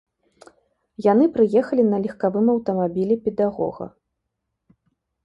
Яны прыехалі на легкавым аўтамабілі педагога.